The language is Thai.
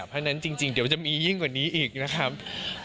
เพราะฉะนั้นจริงเดี๋ยวจะมียิ่งกว่านี้อีกนะครับ